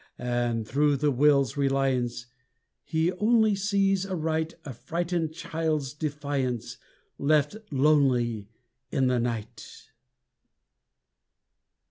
And through the will's reliance He only sees aright A frightened child's defiance Left lonely in the night.